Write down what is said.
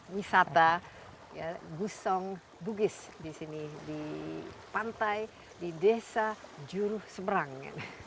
misata gusong bugis di sini di pantai di desa jurusebrang